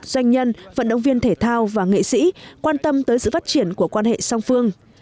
doanh nhân vận động viên thể thao và nghệ sĩ quan tâm tới sự phát triển của quan hệ song phương